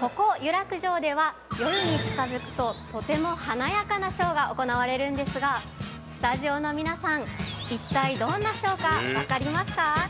ここ湯楽城では、夜に近づくととても華やかなショーが行われるんですが、スタジオの皆さん、一体どんなショーか分かりますか。